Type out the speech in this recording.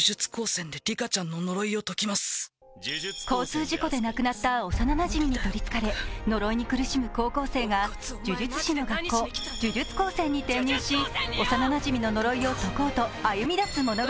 交通事故で亡くなった幼なじみにとりつかれ呪いに苦しむ高校生が呪術師の学校呪術高専に入学し、幼なじみの呪いを解こうと歩み出す物語。